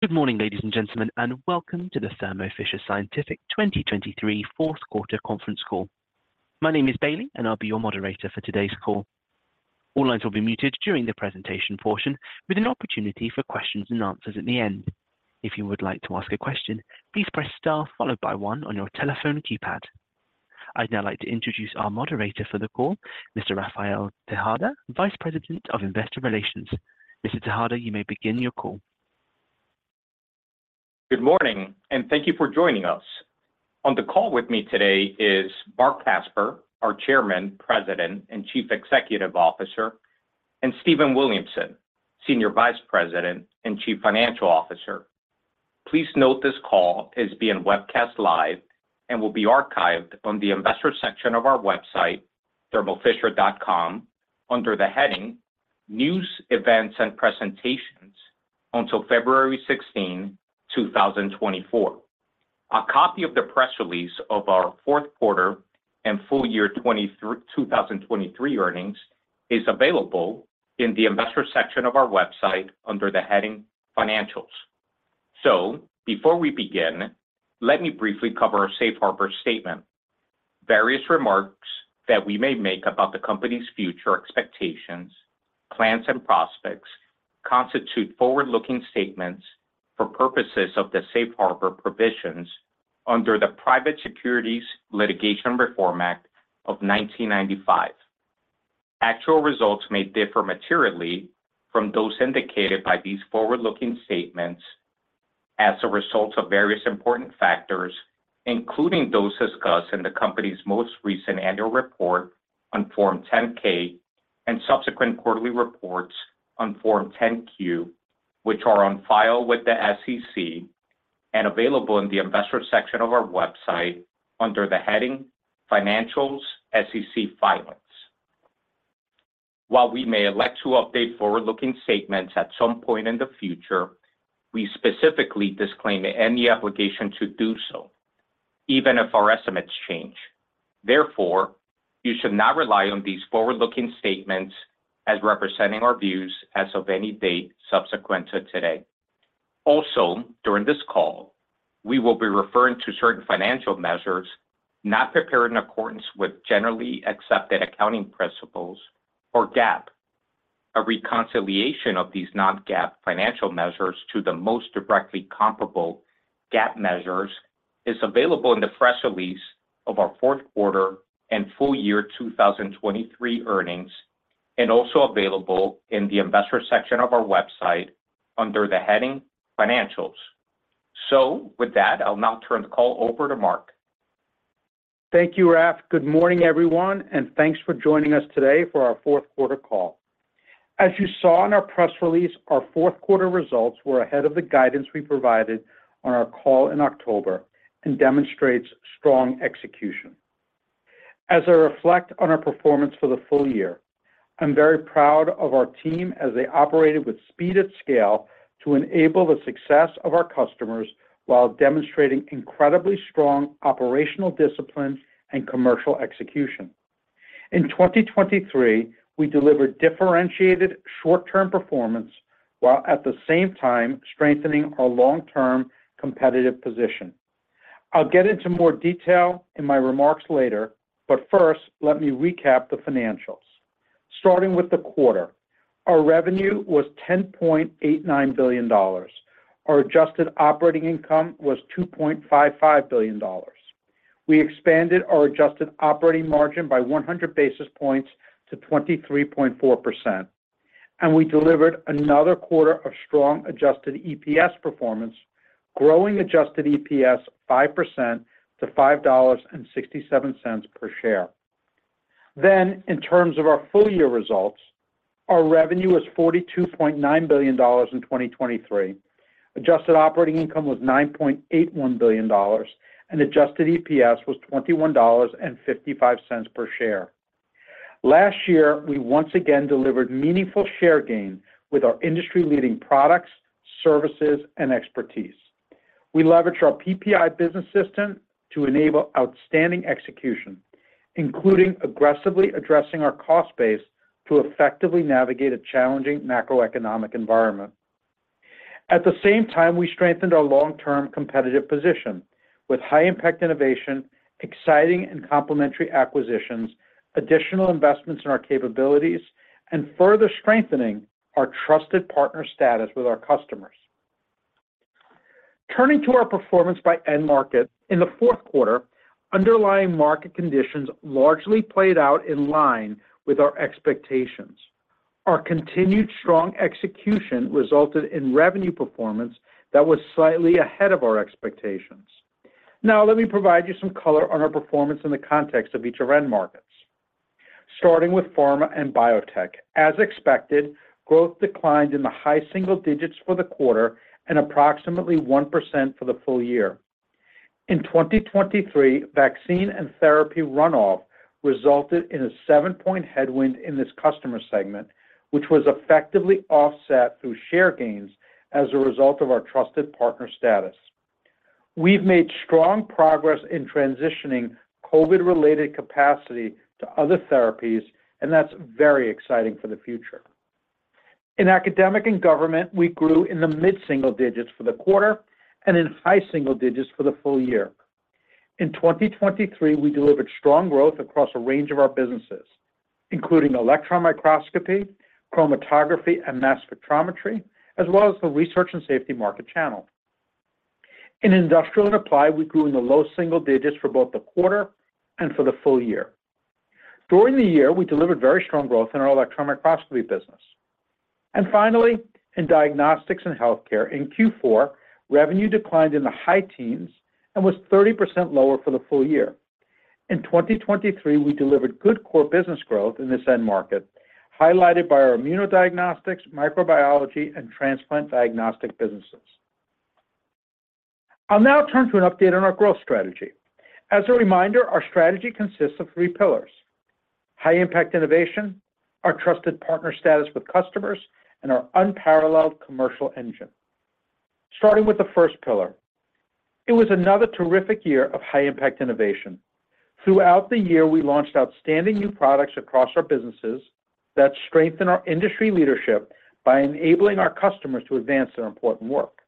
Good morning, ladies and gentlemen, and welcome to the Thermo Fisher Scientific 2023 fourth quarter conference call. My name is Bailey, and I'll be your moderator for today's call. All lines will be muted during the presentation portion, with an opportunity for questions and answers at the end. If you would like to ask a question, please press star followed by one on your telephone keypad. I'd now like to introduce our moderator for the call, Mr. Rafael Tejada, Vice President of Investor Relations. Mr. Tejada, you may begin your call. Good morning, and thank you for joining us. On the call with me today is Marc Casper, our Chairman, President, and Chief Executive Officer, and Stephen Williamson, Senior Vice President and Chief Financial Officer. Please note this call is being webcast live and will be archived on the investor section of our website, thermofisher.com, under the heading News, Events, and Presentations until February 16, 2024. A copy of the press release of our fourth quarter and full year 2023 earnings is available in the Investor section of our website under the heading Financials. Before we begin, let me briefly cover our safe harbor statement. Various remarks that we may make about the company's future expectations, plans, and prospects constitute forward-looking statements for purposes of the safe harbor provisions under the Private Securities Litigation Reform Act of 1995. Actual results may differ materially from those indicated by these forward-looking statements as a result of various important factors, including those discussed in the company's most recent annual report on Form 10-K and subsequent quarterly reports on Form 10-Q, which are on file with the SEC and available in the Investor section of our website under the heading Financials, SEC Filings. While we may elect to update forward-looking statements at some point in the future, we specifically disclaim any obligation to do so, even if our estimates change. Therefore, you should not rely on these forward-looking statements as representing our views as of any date subsequent to today. Also, during this call, we will be referring to certain financial measures not prepared in accordance with generally accepted accounting principles or GAAP. A reconciliation of these non-GAAP financial measures to the most directly comparable GAAP measures is available in the press release of our fourth quarter and full year 2023 earnings, and also available in the Investor section of our website under the heading Financials. So with that, I'll now turn the call over to Marc. Thank you, Raf. Good morning, everyone, and thanks for joining us today for our fourth quarter call. As you saw in our press release, our fourth quarter results were ahead of the guidance we provided on our call in October and demonstrates strong execution. As I reflect on our performance for the full year, I'm very proud of our team as they operated with speed and scale to enable the success of our customers while demonstrating incredibly strong operational discipline and commercial execution. In 2023, we delivered differentiated short-term performance while at the same time strengthening our long-term competitive position. I'll get into more detail in my remarks later, but first, let me recap the financials. Starting with the quarter. Our revenue was $10.89 billion. Our adjusted operating income was $2.55 billion. We expanded our adjusted operating margin by 100 basis points to 23.4%, and we delivered another quarter of strong adjusted EPS performance, growing adjusted EPS 5% to $5.67 per share. Then, in terms of our full year results, our revenue was $42.9 billion in 2023. Adjusted operating income was $9.81 billion, and adjusted EPS was $21.55 per share. Last year, we once again delivered meaningful share gain with our industry-leading products, services, and expertise. We leveraged our PPI Business System to enable outstanding execution, including aggressively addressing our cost base to effectively navigate a challenging macroeconomic environment. At the same time, we strengthened our long-term competitive position with high-impact innovation, exciting and complementary acquisitions, additional investments in our capabilities, and further strengthening our trusted partner status with our customers. Turning to our performance by end market. In the fourth quarter, underlying market conditions largely played out in line with our expectations. Our continued strong execution resulted in revenue performance that was slightly ahead of our expectations. Now, let me provide you some color on our performance in the context of each of end markets. Starting with pharma and biotech. As expected, growth declined in the high single digits for the quarter and approximately 1% for the full year. In 2023, vaccine and therapy runoff resulted in a 7-point headwind in this customer segment, which was effectively offset through share gains as a result of our trusted partner status. We've made strong progress in transitioning COVID-related capacity to other therapies, and that's very exciting for the future. In academic and government, we grew in the mid-single digits for the quarter and in high single digits for the full year. In 2023, we delivered strong growth across a range of our businesses, including electron microscopy, chromatography, and mass spectrometry, as well as the research and safety market channel. In industrial and applied, we grew in the low single digits for both the quarter and for the full year. During the year, we delivered very strong growth in our electron microscopy business. And finally, in diagnostics and healthcare, in Q4, revenue declined in the high teens and was 30% lower for the full year. In 2023, we delivered good core business growth in this end market, highlighted by our immunodiagnostics, microbiology, and transplant diagnostic businesses. I'll now turn to an update on our growth strategy. As a reminder, our strategy consists of three pillars: high-impact innovation, our trusted partner status with customers, and our unparalleled commercial engine. Starting with the first pillar, it was another terrific year of high-impact innovation. Throughout the year, we launched outstanding new products across our businesses that strengthen our industry leadership by enabling our customers to advance their important work.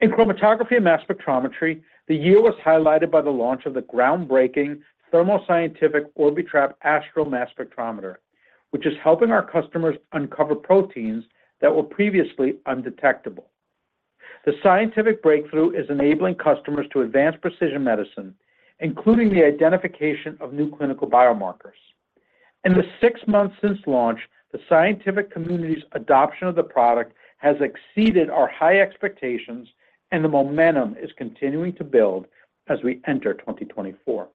In chromatography and mass spectrometry, the year was highlighted by the launch of the groundbreaking Thermo Scientific Orbitrap Astral Mass Spectrometer, which is helping our customers uncover proteins that were previously undetectable. The scientific breakthrough is enabling customers to advance precision medicine, including the identification of new clinical biomarkers. In the six months since launch, the scientific community's adoption of the product has exceeded our high expectations, and the momentum is continuing to build as we enter 2024.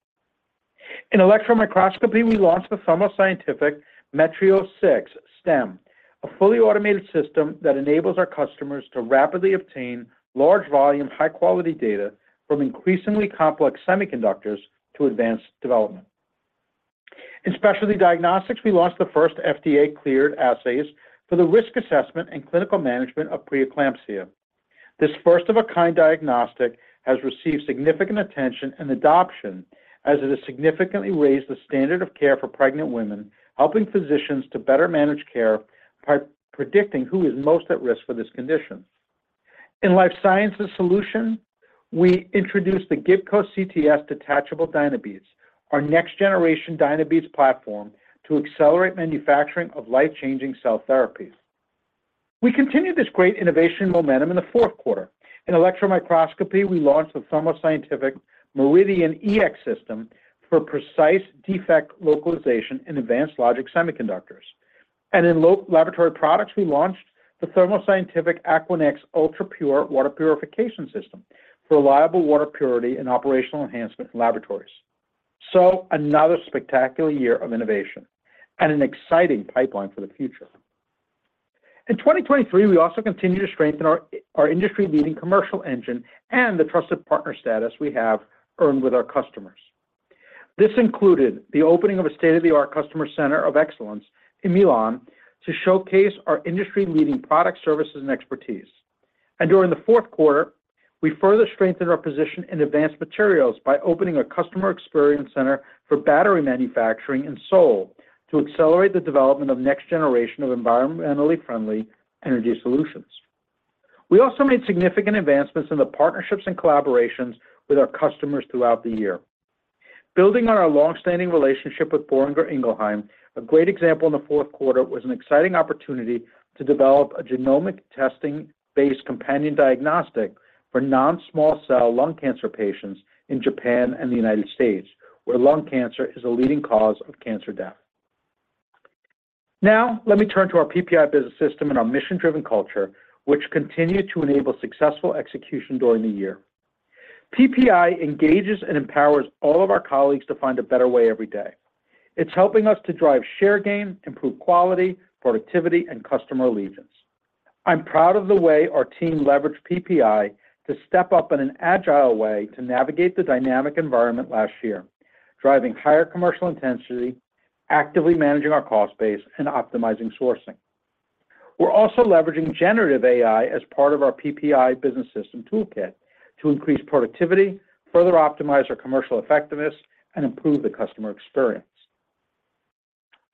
In electron microscopy, we launched the Thermo Scientific Metrios 6 (S)TEM, a fully automated system that enables our customers to rapidly obtain large volume, high-quality data from increasingly complex semiconductors to advance development. In specialty diagnostics, we launched the first FDA-cleared assays for the risk assessment and clinical management of preeclampsia. This first-of-a-kind diagnostic has received significant attention and adoption as it has significantly raised the standard of care for pregnant women, helping physicians to better manage care by predicting who is most at risk for this condition. In Life Sciences Solutions, we introduced the Gibco CTS Detachable Dynabeads, our next-generation Dynabeads platform to accelerate manufacturing of life-changing cell therapies. We continued this great innovation momentum in the fourth quarter. In electron microscopy, we launched the Thermo Scientific Meridian EX system for precise defect localization in advanced logic semiconductors. And in laboratory products, we launched the Thermo Scientific Aquanex UltraPure Water Purification System for reliable water purity and operational enhancement in laboratories. So another spectacular year of innovation and an exciting pipeline for the future. In 2023, we also continued to strengthen our industry-leading commercial engine and the trusted partner status we have earned with our customers. This included the opening of a state-of-the-art customer center of excellence in Milan to showcase our industry-leading product, services, and expertise. And during the fourth quarter, we further strengthened our position in advanced materials by opening a customer experience center for battery manufacturing in Seoul to accelerate the development of next generation of environmentally friendly energy solutions. We also made significant advancements in the partnerships and collaborations with our customers throughout the year. Building on our long-standing relationship with Boehringer Ingelheim, a great example in the fourth quarter was an exciting opportunity to develop a genomic testing-based companion diagnostic for non-small cell lung cancer patients in Japan and the United States, where lung cancer is a leading cause of cancer death. Now, let me turn to our PPI Business System and our mission-driven culture, which continued to enable successful execution during the year. PPI engages and empowers all of our colleagues to find a better way every day. It's helping us to drive share gain, improve quality, productivity, and customer allegiance. I'm proud of the way our team leveraged PPI to step up in an agile way to navigate the dynamic environment last year, driving higher commercial intensity, actively managing our cost base, and optimizing sourcing. We're also leveraging generative AI as part of our PPI Business System toolkit to increase productivity, further optimize our commercial effectiveness, and improve the customer experience.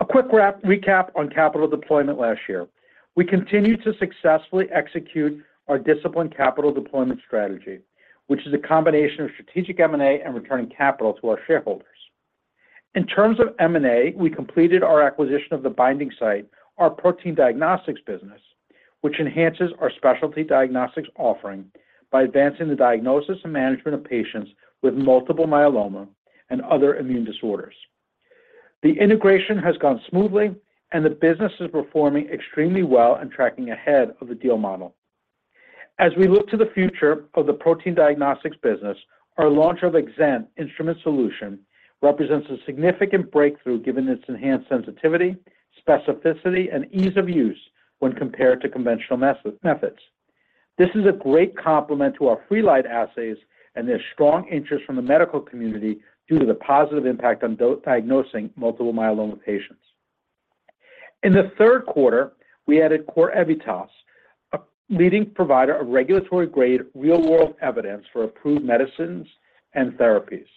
A quick recap on capital deployment last year. We continued to successfully execute our disciplined capital deployment strategy, which is a combination of strategic M&A and returning capital to our shareholders. In terms of M&A, we completed our acquisition of The Binding Site, our protein diagnostics business, which enhances our specialty diagnostics offering by advancing the diagnosis and management of patients with multiple myeloma and other immune disorders. The integration has gone smoothly, and the business is performing extremely well and tracking ahead of the deal model. As we look to the future of the protein diagnostics business, our launch of EXENT instrument solution represents a significant breakthrough, given its enhanced sensitivity, specificity, and ease of use when compared to conventional methods. This is a great complement to our Freelite assays and their strong interest from the medical community due to the positive impact on diagnosing multiple myeloma patients. In the third quarter, we added CorEvitas, a leading provider of regulatory grade, real-world evidence for approved medicines and therapies.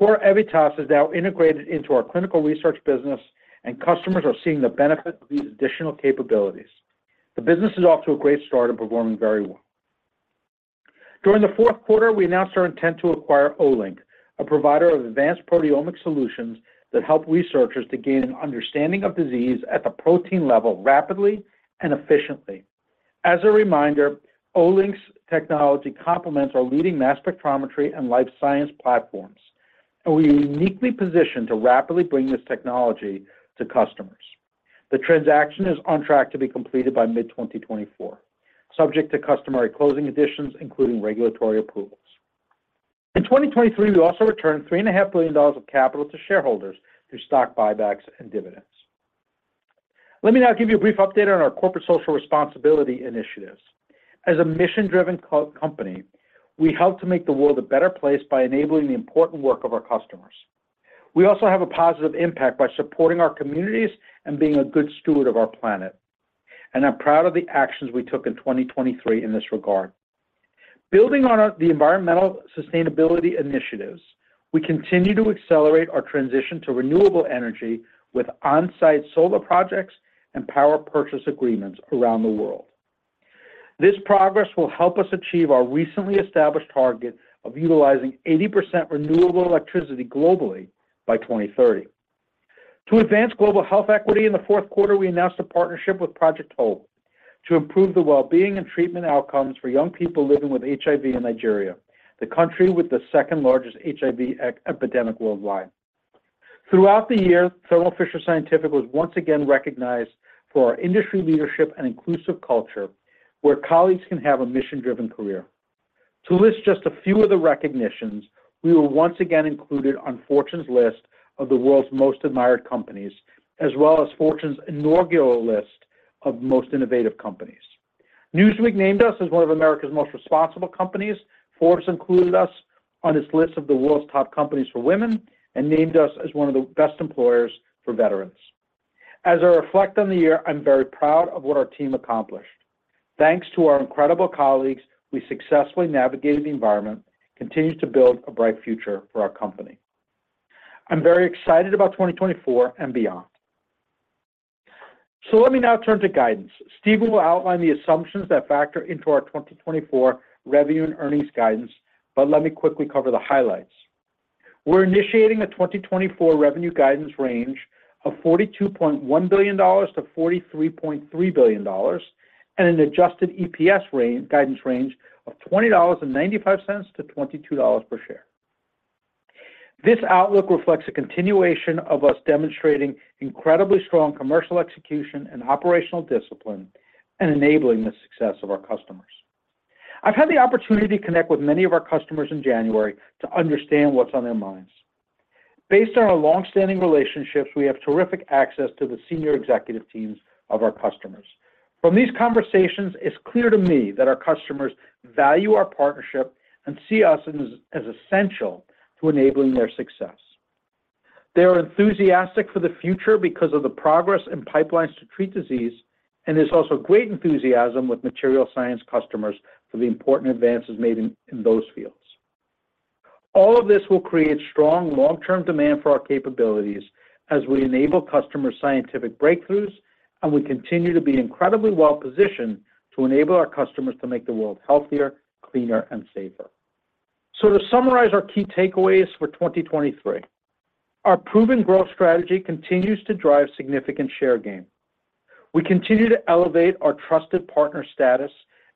CorEvitas is now integrated into our clinical research business, and customers are seeing the benefit of these additional capabilities. The business is off to a great start and performing very well. During the fourth quarter, we announced our intent to acquire Olink, a provider of advanced proteomic solutions that help researchers to gain an understanding of disease at the protein level rapidly and efficiently. As a reminder, Olink's technology complements our leading mass spectrometry and life science platforms, and we are uniquely positioned to rapidly bring this technology to customers. The transaction is on track to be completed by mid-2024, subject to customary closing conditions, including regulatory approvals. In 2023, we also returned $3.5 billion of capital to shareholders through stock buybacks and dividends. Let me now give you a brief update on our corporate social responsibility initiatives. As a mission-driven company, we help to make the world a better place by enabling the important work of our customers. We also have a positive impact by supporting our communities and being a good steward of our planet, and I'm proud of the actions we took in 2023 in this regard. Building on our environmental sustainability initiatives, we continue to accelerate our transition to renewable energy with on-site solar projects and power purchase agreements around the world. This progress will help us achieve our recently established target of utilizing 80% renewable electricity globally by 2030. To advance global health equity, in the fourth quarter, we announced a partnership with Project Hope to improve the well-being and treatment outcomes for young people living with HIV in Nigeria, the country with the second-largest HIV epidemic worldwide. Throughout the year, Thermo Fisher Scientific was once again recognized for our industry leadership and inclusive culture, where colleagues can have a mission-driven career. To list just a few of the recognitions, we were once again included on Fortune's list of the World's Most Admired Companies, as well as Fortune's inaugural list of Most Innovative Companies. Newsweek named us as one of America's Most Responsible Companies. Forbes included us on its list of the World's Top Companies for Women and named us as one of the Best Employers for Veterans. As I reflect on the year, I'm very proud of what our team accomplished. Thanks to our incredible colleagues, we successfully navigated the environment, continues to build a bright future for our company. I'm very excited about 2024 and beyond. So let me now turn to guidance. Stephen will outline the assumptions that factor into our 2024 revenue and earnings guidance, but let me quickly cover the highlights. We're initiating a 2024 revenue guidance range of $42.1 billion-$43.3 billion and an adjusted EPS range, guidance range of $20.95-$22 per share. This outlook reflects a continuation of us demonstrating incredibly strong commercial execution and operational discipline and enabling the success of our customers. I've had the opportunity to connect with many of our customers in January to understand what's on their minds. Based on our long-standing relationships, we have terrific access to the senior executive teams of our customers. From these conversations, it's clear to me that our customers value our partnership and see us as essential to enabling their success. They are enthusiastic for the future because of the progress and pipelines to treat disease, and there's also great enthusiasm with material science customers for the important advances made in those fields. All of this will create strong long-term demand for our capabilities as we enable customer scientific breakthroughs, and we continue to be incredibly well-positioned to enable our customers to make the world healthier, cleaner, and safer. So to summarize our key takeaways for 2023, our proven growth strategy continues to drive significant share gain. We continue to elevate our trusted partner status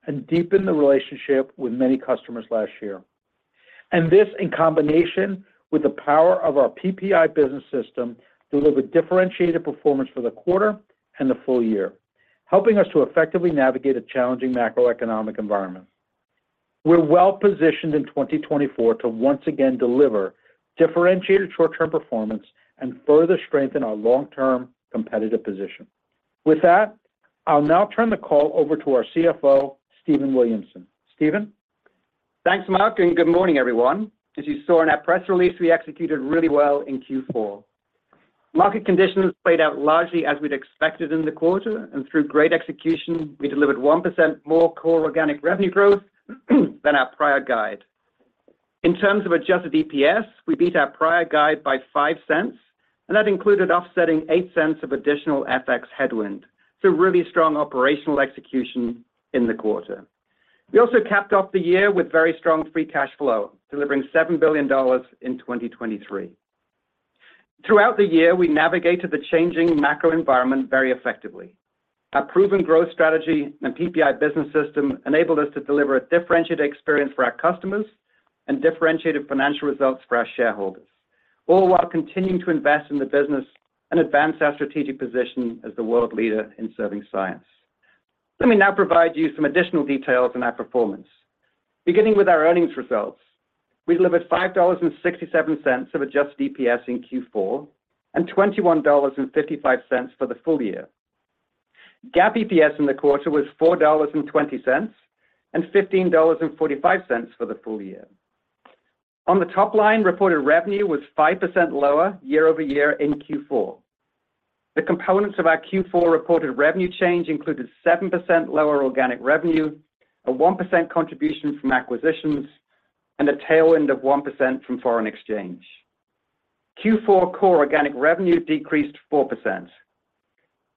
and deepen the relationship with many customers last year. This, in combination with the power of our PPI Business System, delivered differentiated performance for the quarter and the full year, helping us to effectively navigate a challenging macroeconomic environment. We're well positioned in 2024 to once again deliver differentiated short-term performance and further strengthen our long-term competitive position. With that, I'll now turn the call over to our CFO, Stephen Williamson. Stephen? Thanks, Marc, and good morning, everyone. As you saw in our press release, we executed really well in Q4. Market conditions played out largely as we'd expected in the quarter, and through great execution, we delivered 1% more core organic revenue growth than our prior guide. In terms of adjusted EPS, we beat our prior guide by $0.05, and that included offsetting $0.08 of additional FX headwind, so really strong operational execution in the quarter. We also capped off the year with very strong free cash flow, delivering $7 billion in 2023. Throughout the year, we navigated the changing macro environment very effectively. Our proven growth strategy and PPI Business System enabled us to deliver a differentiated experience for our customers and differentiated financial results for our shareholders, all while continuing to invest in the business and advance our strategic position as the world leader in serving science. Let me now provide you some additional details on our performance. Beginning with our earnings results, we delivered $5.67 of adjusted EPS in Q4 and $21.55 for the full year. GAAP EPS in the quarter was $4.20, and $15.45 for the full year. On the top line, reported revenue was 5% lower year-over-year in Q4. The components of our Q4 reported revenue change included 7% lower organic revenue, a 1% contribution from acquisitions, and a tailwind of 1% from foreign exchange. Q4 core organic revenue decreased 4%.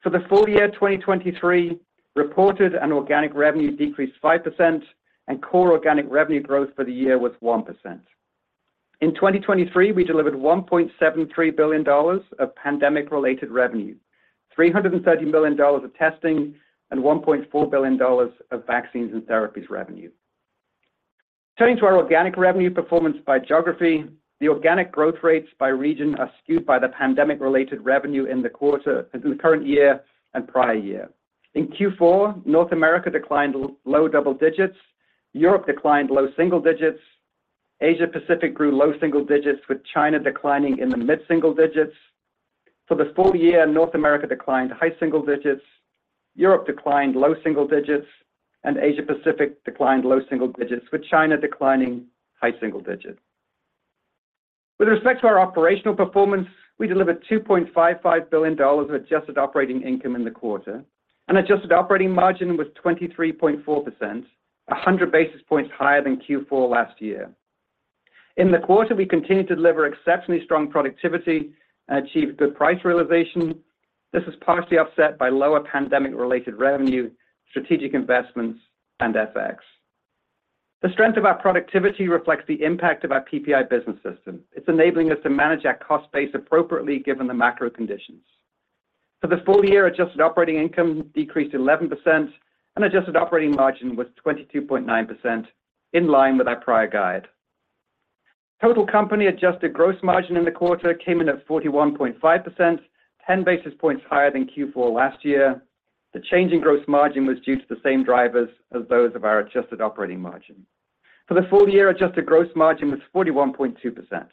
For the full year 2023, reported and organic revenue decreased 5%, and core organic revenue growth for the year was 1%. In 2023, we delivered $1.73 billion of pandemic-related revenue, $330 million of testing, and $1.4 billion of vaccines and therapies revenue. Turning to our organic revenue performance by geography, the organic growth rates by region are skewed by the pandemic-related revenue in the quarter in the current year and prior year. In Q4, North America declined low double digits, Europe declined low single digits, Asia Pacific grew low single digits, with China declining in the mid single digits. For the full year, North America declined high single digits, Europe declined low single digits, and Asia Pacific declined low single digits, with China declining high single digits. With respect to our operational performance, we delivered $2.55 billion of adjusted operating income in the quarter, and adjusted operating margin was 23.4%, 100 basis points higher than Q4 last year. In the quarter, we continued to deliver exceptionally strong productivity and achieved good price realization. This is partially offset by lower pandemic-related revenue, strategic investments, and FX. The strength of our productivity reflects the impact of our PPI Business System. It's enabling us to manage our cost base appropriately, given the macro conditions. For the full year, adjusted operating income decreased 11% and adjusted operating margin was 22.9%, in line with our prior guide. Total company adjusted gross margin in the quarter came in at 41.5%, 10 basis points higher than Q4 last year. The change in gross margin was due to the same drivers as those of our adjusted operating margin. For the full year, adjusted gross margin was 41.2%.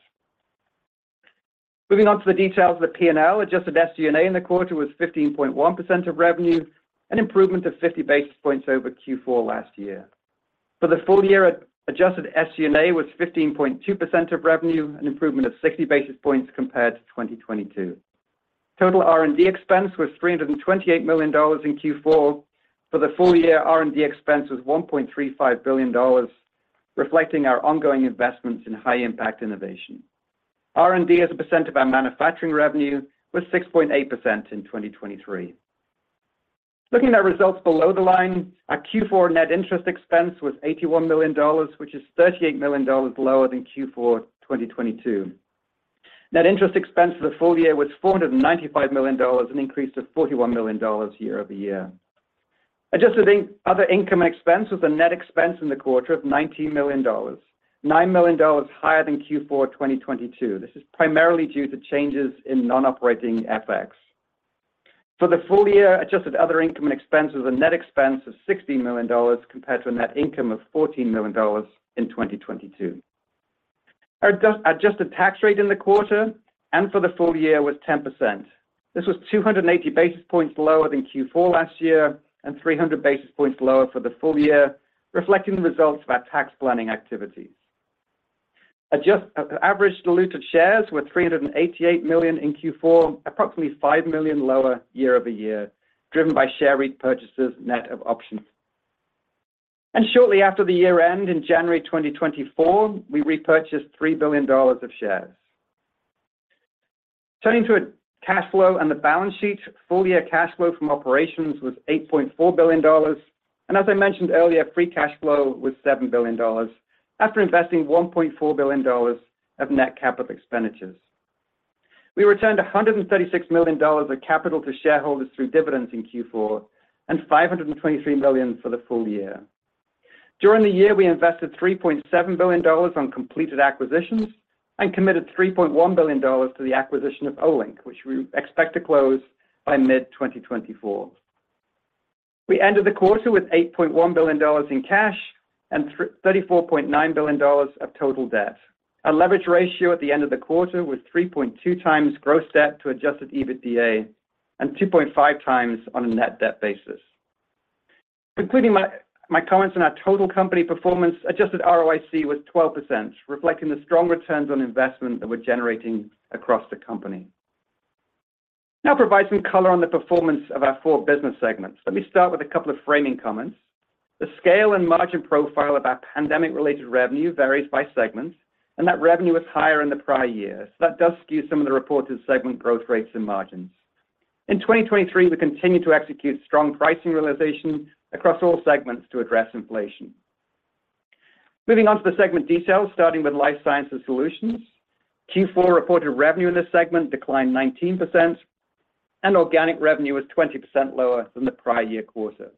Moving on to the details of the P&L, adjusted SG&A in the quarter was 15.1% of revenue, an improvement of 50 basis points over Q4 last year. For the full year, adjusted SG&A was 15.2% of revenue, an improvement of 60 basis points compared to 2022. Total R&D expense was $328 million in Q4. For the full year, R&D expense was $1.35 billion, reflecting our ongoing investments in high-impact innovation. R&D, as a percent of our manufacturing revenue, was 6.8% in 2023. Looking at our results below the line, our Q4 net interest expense was $81 million, which is $38 million lower than Q4 2022. Net interest expense for the full year was $495 million, an increase of $41 million year-over-year. Adjusted other income expense was a net expense in the quarter of $19 million, $9 million higher than Q4 2022. This is primarily due to changes in non-operating FX. For the full year, adjusted other income and expense was a net expense of $16 million, compared to a net income of $14 million in 2022. Our adjusted tax rate in the quarter and for the full year was 10%. This was 280 basis points lower than Q4 last year and 300 basis points lower for the full year, reflecting the results of our tax planning activities. Our average diluted shares were 388 million in Q4, approximately five million lower year-over-year, driven by share repurchases, net of options. And shortly after the year-end, in January 2024, we repurchased $3 billion of shares. Turning to cash flow and the balance sheet, full-year cash flow from operations was $8.4 billion, and as I mentioned earlier, free cash flow was $7 billion, after investing $1.4 billion of net capital expenditures. We returned $136 million of capital to shareholders through dividends in Q4 and $523 million for the full year. During the year, we invested $3.7 billion on completed acquisitions and committed $3.1 billion to the acquisition of Olink, which we expect to close by mid-2024. We ended the quarter with $8.1 billion in cash and $34.9 billion of total debt. Our leverage ratio at the end of the quarter was 3.2 times gross debt to adjusted EBITDA and 2.5 times on a net debt basis. Concluding my comments on our total company performance, adjusted ROIC was 12%, reflecting the strong returns on investment that we're generating across the company. Now provide some color on the performance of our four business segments. Let me start with a couple of framing comments. The scale and margin profile of our pandemic-related revenue varies by segment, and that revenue is higher in the prior year. So that does skew some of the reported segment growth rates and margins. In 2023, we continued to execute strong pricing realization across all segments to address inflation. Moving on to the segment details, starting with Life Sciences Solutions. Q4 reported revenue in this segment declined 19%, and organic revenue was 20% lower than the prior year quarter.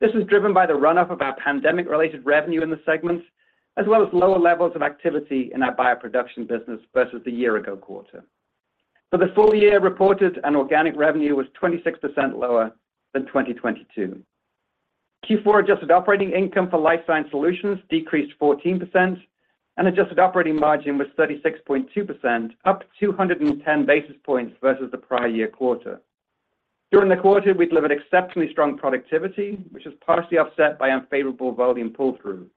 This was driven by the runoff of our pandemic-related revenue in the segments, as well as lower levels of activity in our bioproduction business versus the year ago quarter. For the full year, reported and organic revenue was 26% lower than 2022. Q4 adjusted operating income for Life Science Solutions decreased 14%, and adjusted operating margin was 36.2%, up 210 basis points versus the prior year quarter. During the quarter, we delivered exceptionally strong productivity, which is partially offset by unfavorable volume pull-through.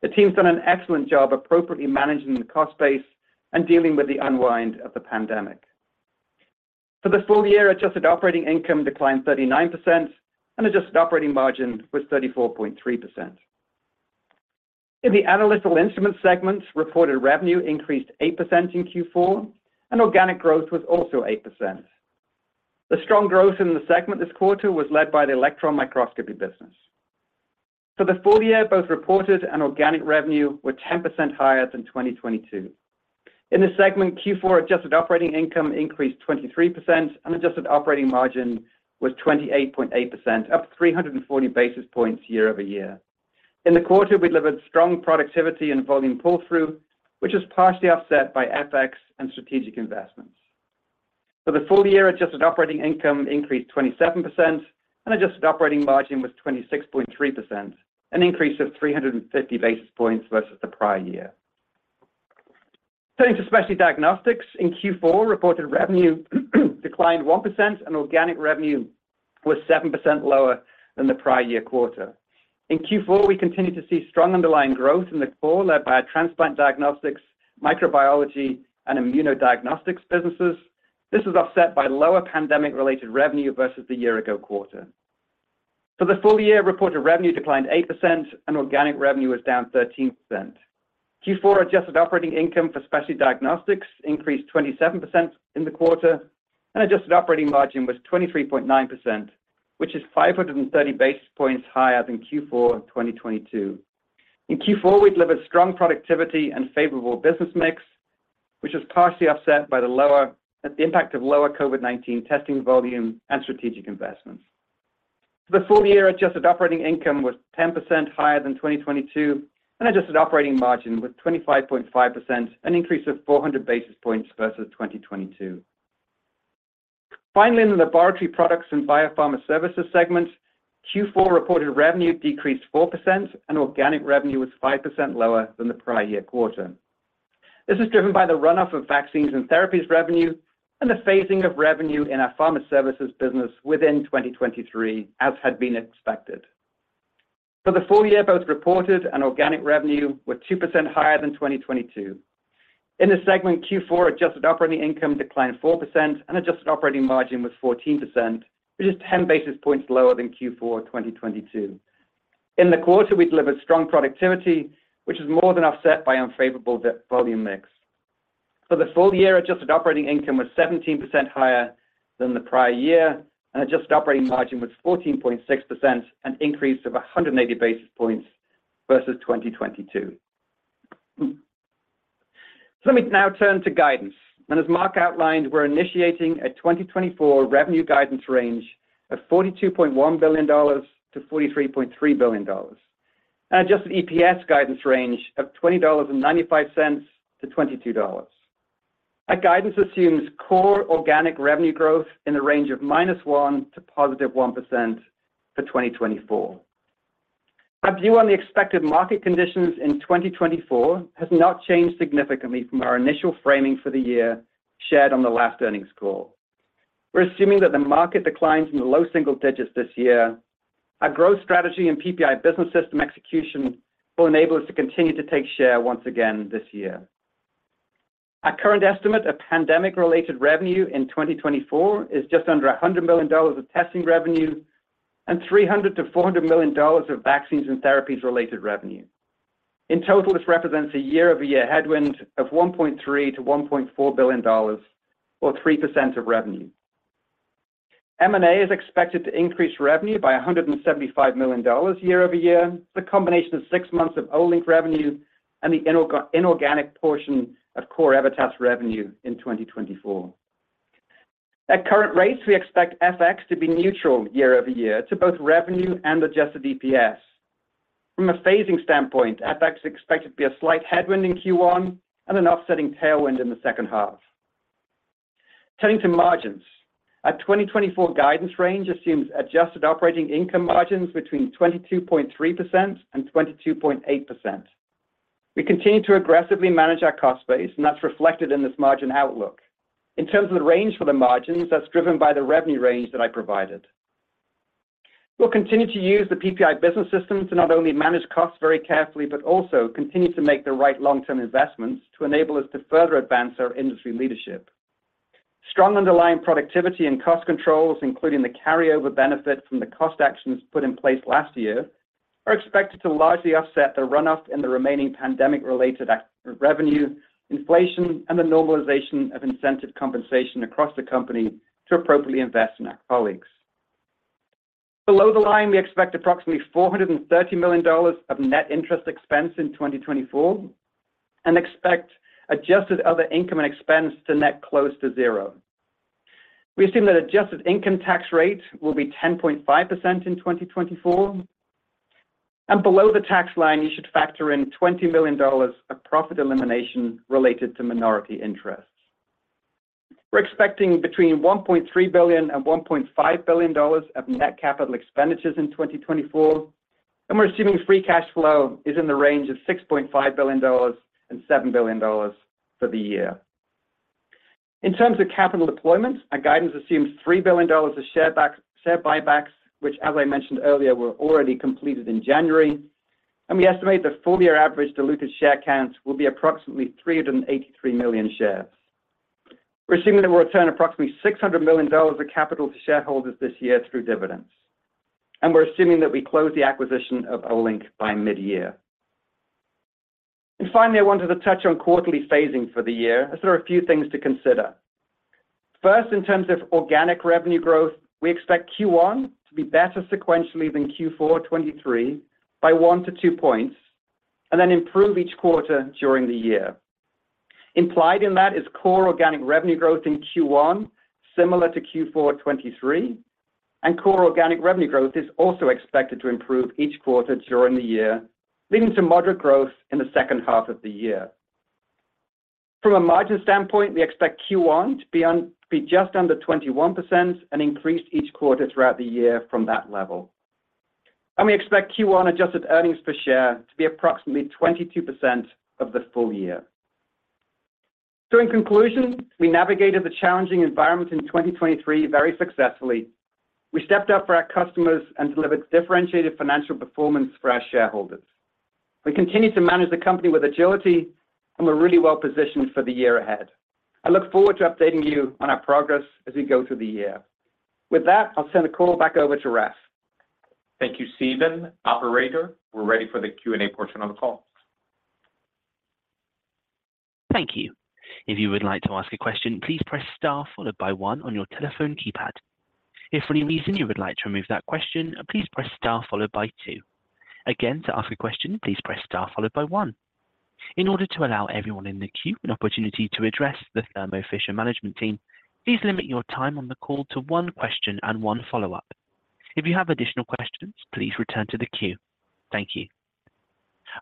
The team's done an excellent job appropriately managing the cost base and dealing with the unwind of the pandemic. For the full year, adjusted operating income declined 39%, and adjusted operating margin was 34.3%. In the analytical instrument segments, reported revenue increased 8% in Q4, and organic growth was also 8%. The strong growth in the segment this quarter was led by the electron microscopy business. For the full year, both reported and organic revenue were 10% higher than 2022. In this segment, Q4 adjusted operating income increased 23%, and adjusted operating margin was 28.8%, up 340 basis points year-over-year. In the quarter, we delivered strong productivity and volume pull-through, which was partially offset by FX and strategic investments. For the full year, adjusted operating income increased 27%, and adjusted operating margin was 26.3%, an increase of 350 basis points versus the prior year. Turning to Specialty Diagnostics, in Q4, reported revenue declined 1%, and organic revenue was 7% lower than the prior-year quarter. In Q4, we continued to see strong underlying growth in the core, led by our Transplant Diagnostics, microbiology, and Immunodiagnostics businesses. This was offset by lower pandemic-related revenue versus the year-ago quarter. For the full year, reported revenue declined 8% and organic revenue was down 13%. Q4 adjusted operating income for Specialty Diagnostics increased 27% in the quarter, and adjusted operating margin was 23.9%, which is 530 basis points higher than Q4 2022. In Q4, we delivered strong productivity and favorable business mix, which was partially offset by the impact of lower COVID-19 testing volume and strategic investments. For the full year, adjusted operating income was 10% higher than 2022, and adjusted operating margin was 25.5%, an increase of 400 basis points versus 2022. Finally, in the Laboratory Products and Biopharma Services segments, Q4 reported revenue decreased 4%, and organic revenue was 5% lower than the prior year quarter. This is driven by the runoff of vaccines and therapies revenue and the phasing of revenue in our pharma services business within 2023, as had been expected. For the full year, both reported and organic revenue were 2% higher than 2022. In this segment, Q4 adjusted operating income declined 4%, and adjusted operating margin was 14%, which is 10 basis points lower than Q4 2022. In the quarter, we delivered strong productivity, which is more than offset by unfavorable volume mix. For the full year, adjusted operating income was 17% higher than the prior year, and adjusted operating margin was 14.6%, an increase of 180 basis points versus 2022. So let me now turn to guidance. And as Marc outlined, we're initiating a 2024 revenue guidance range of $42.1 billion-$43.3 billion. Adjusted EPS guidance range of $20.95-$22. Our guidance assumes core organic revenue growth in the range of -1% to +1% for 2024. Our view on the expected market conditions in 2024 has not changed significantly from our initial framing for the year shared on the last earnings call. We're assuming that the market declines in the low single digits this year. Our growth strategy and PPI Business System execution will enable us to continue to take share once again this year. Our current estimate of pandemic-related revenue in 2024 is just under $100 million of testing revenue and $300 million-$400 million of vaccines and therapies-related revenue. In total, this represents a year-over-year headwind of $1.3 billion-$1.4 billion, or 3% of revenue. M&A is expected to increase revenue by $175 million year-over-year. It's a combination of six months of Olink revenue and the inorganic portion of core CorEvitas revenue in 2024. At current rates, we expect FX to be neutral year-over-year to both revenue and adjusted EPS. From a phasing standpoint, FX is expected to be a slight headwind in Q1 and an offsetting tailwind in the second half. Turning to margins. Our 2024 guidance range assumes adjusted operating income margins between 22.3% and 22.8%. We continue to aggressively manage our cost base, and that's reflected in this margin outlook. In terms of the range for the margins, that's driven by the revenue range that I provided. We'll continue to use the PPI Business System to not only manage costs very carefully, but also continue to make the right long-term investments to enable us to further advance our industry leadership. Strong underlying productivity and cost controls, including the carryover benefit from the cost actions put in place last year, are expected to largely offset the run-off in the remaining pandemic-related revenue, inflation, and the normalization of incentive compensation across the company to appropriately invest in our colleagues. Below the line, we expect approximately $430 million of net interest expense in 2024, and expect adjusted other income and expense to net close to zero. We assume that adjusted income tax rate will be 10.5% in 2024, and below the tax line, you should factor in $20 million of profit elimination related to minority interest. We're expecting between $1.3 billion-$1.5 billion of net capital expenditures in 2024, and we're assuming free cash flow is in the range of $6.5 billion-$7 billion for the year. In terms of capital deployment, our guidance assumes $3 billion of share back-- share buybacks, which, as I mentioned earlier, were already completed in January, and we estimate the full year average diluted share counts will be approximately 383 million shares. We're assuming that we'll return approximately $600 million of capital to shareholders this year through dividends, and we're assuming that we close the acquisition of Olink by mid-year. And finally, I wanted to touch on quarterly phasing for the year, as there are a few things to consider. First, in terms of organic revenue growth, we expect Q1 to be better sequentially than Q4 2023 by 1-2 points and then improve each quarter during the year. Implied in that is core organic revenue growth in Q1, similar to Q4 2023, and core organic revenue growth is also expected to improve each quarter during the year, leading to moderate growth in the second half of the year. From a margin standpoint, we expect Q1 to be just under 21% and increase each quarter throughout the year from that level. And we expect Q1 adjusted earnings per share to be approximately 22% of the full year. So in conclusion, we navigated the challenging environment in 2023 very successfully. We stepped up for our customers and delivered differentiated financial performance for our shareholders. We continue to manage the company with agility, and we're really well positioned for the year ahead. I look forward to updating you on our progress as we go through the year. With that, I'll turn the call back over to Raf. Thank you, Stephen. Operator, we're ready for the Q&A portion of the call. Thank you. If you would like to ask a question, please press star followed by one on your telephone keypad. If for any reason you would like to remove that question, please press star followed by two. Again, to ask a question, please press star followed by one. In order to allow everyone in the queue an opportunity to address the Thermo Fisher management team, please limit your time on the call to one question and one follow-up. If you have additional questions, please return to the queue. Thank you.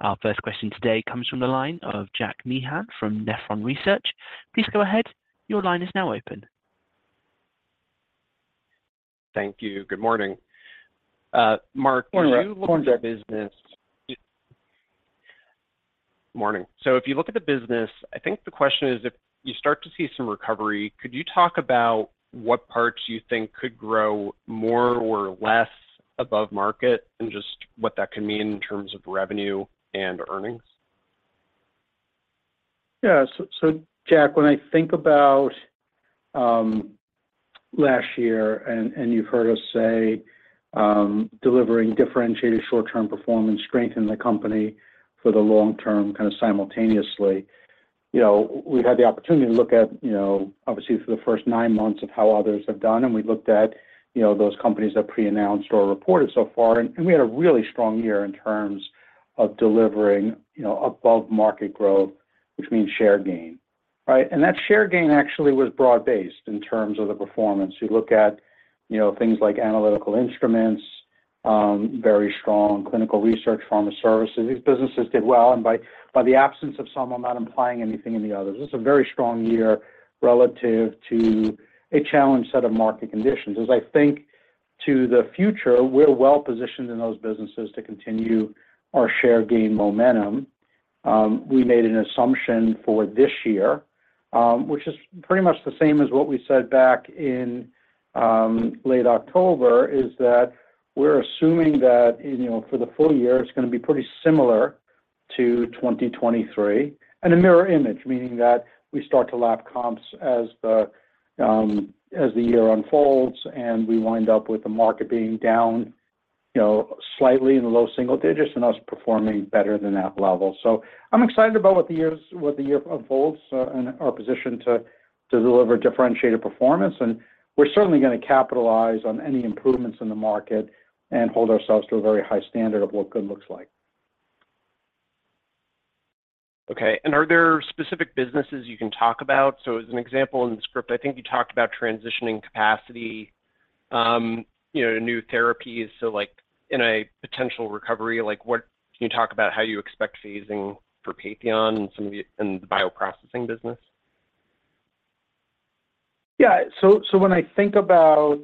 Our first question today comes from the line of Jack Meehan from Nephron Research. Please go ahead. Your line is now open. Thank you. Good morning, Marc. When you look at the business, so if you look at the business, I think the question is, if you start to see some recovery, could you talk about what parts you think could grow more or less above market and just what that could mean in terms of revenue and earnings? Yeah. So, Jack, when I think about last year and you've heard us say delivering differentiated short-term performance, strengthening the company for the long term, kind of simultaneously, you know, we've had the opportunity to look at, you know, obviously for the first nine months of how others have done, and we looked at, you know, those companies that pre-announced or reported so far, and we had a really strong year in terms of delivering, you know, above-market growth, which means share gain, right? And that share gain actually was broad-based in terms of the performance. You look at, you know, things like analytical instruments, very strong clinical research, pharma services. These businesses did well, and by the absence of some, I'm not implying anything in the others. This is a very strong year relative to a challenged set of market conditions. As I think to the future, we're well positioned in those businesses to continue our share gain momentum. We made an assumption for this year, which is pretty much the same as what we said back in late October, is that we're assuming that, you know, for the full year, it's gonna be pretty similar to 2023. And a mirror image, meaning that we start to lap comps as the year unfolds, and we wind up with the market being down, you know, slightly in the low single digits and us performing better than that level. So I'm excited about what the years, what the year unfolds, and our position to deliver differentiated performance, and we're certainly gonna capitalize on any improvements in the market and hold ourselves to a very high standard of what good looks like. Okay. And are there specific businesses you can talk about? So as an example, in the script, I think you talked about transitioning capacity, you know, new therapies. So, like, in a potential recovery, like, what, can you talk about how you expect phasing for Patheon and some of the, and the bioprocessing business? Yeah. So, so when I think about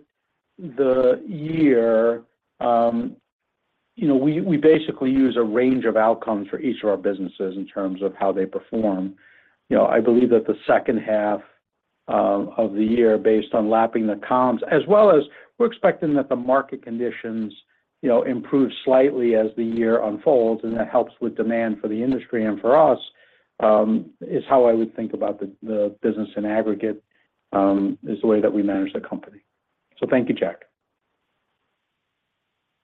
the year, you know, we, we basically use a range of outcomes for each of our businesses in terms of how they perform. You know, I believe that the second half of the year, based on lapping the comps, as well as we're expecting that the market conditions, you know, improve slightly as the year unfolds, and that helps with demand for the industry and for us, is how I would think about the, the business in aggregate, is the way that we manage the company. So thank you, Jack.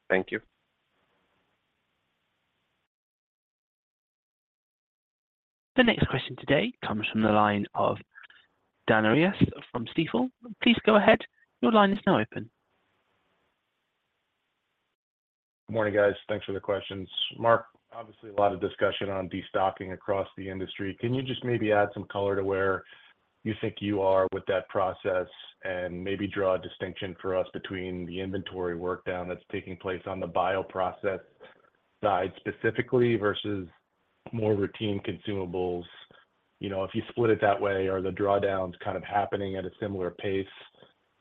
Thank you. The next question today comes from the line of Dan Arias from Stifel. Please go ahead. Your line is now open. Morning, guys. Thanks for the questions. Marc, obviously, a lot of discussion on destocking across the industry. Can you just maybe add some color to where you think you are with that process and maybe draw a distinction for us between the inventory work down that's taking place on the bioprocess side specifically versus more routine consumables. You know, if you split it that way, are the drawdowns kind of happening at a similar pace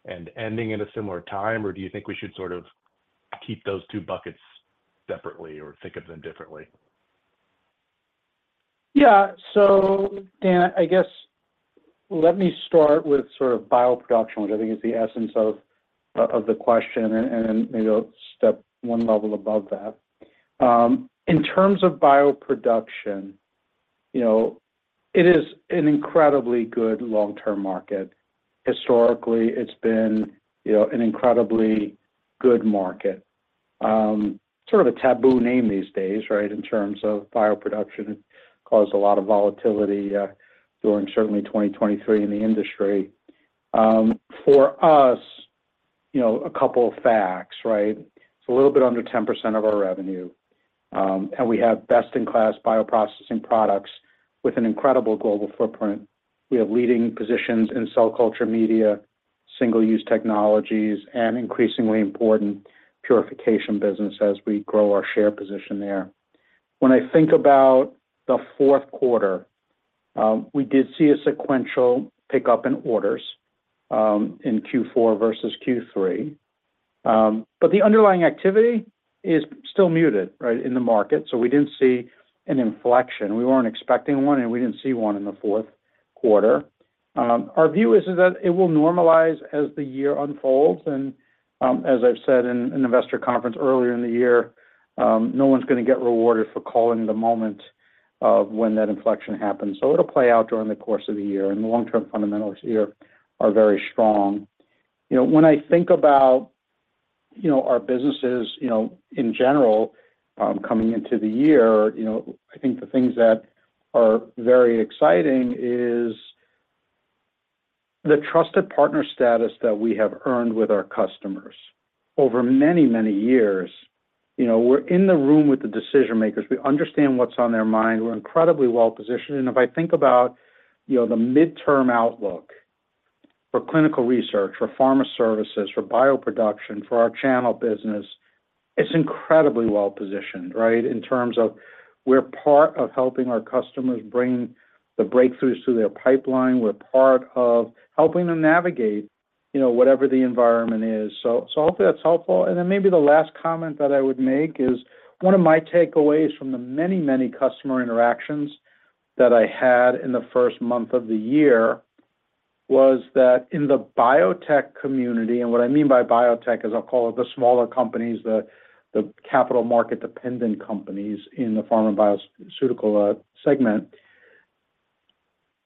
and ending at a similar time? Or do you think we should sort of keep those two buckets separately or think of them differently? Yeah. So Dan, I guess let me start with sort of bioproduction, which I think is the essence of the question, and then maybe I'll step one level above that. In terms of bioproduction, you know, it is an incredibly good long-term market. Historically, it's been, you know, an incredibly good market. Sort of a taboo name these days, right? In terms of bioproduction. It caused a lot of volatility during certainly 2023 in the industry. For us, you know, a couple of facts, right? It's a little bit under 10% of our revenue, and we have best-in-class bioprocessing products with an incredible global footprint. We have leading positions in cell culture media, single-use technologies, and increasingly important purification business as we grow our share position there. When I think about the fourth quarter, we did see a sequential pickup in orders, in Q4 versus Q3. But the underlying activity is still muted, right, in the market, so we didn't see an inflection. We weren't expecting one, and we didn't see one in the fourth quarter. Our view is that it will normalize as the year unfolds, and, as I've said in an investor conference earlier in the year, no one's gonna get rewarded for calling the moment of when that inflection happens. So it'll play out during the course of the year, and the long-term fundamentals here are very strong. You know, when I think about, you know, our businesses, you know, in general, coming into the year, you know, I think the things that are very exciting is the trusted partner status that we have earned with our customers over many, many years. You know, we're in the room with the decision makers. We understand what's on their mind. We're incredibly well positioned, and if I think about, you know, the midterm outlook for clinical research, for pharma services, for bioproduction, for our channel business, it's incredibly well positioned, right? In terms of we're part of helping our customers bring the breakthroughs to their pipeline. We're part of helping them navigate, you know, whatever the environment is. So, so hopefully that's helpful. And then maybe the last comment that I would make is, one of my takeaways from the many, many customer interactions that I had in the first month of the year, was that in the biotech community, and what I mean by biotech is I'll call it the smaller companies, the, the capital market-dependent companies in the pharma and biopharmaceutical segment.